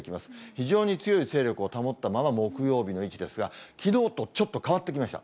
非常に強い勢力を保ったまま木曜日の位置ですが、きのうとちょっと変わってきました。